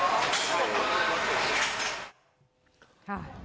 ร้านเขาก็ไม่นำใหม่เว้ย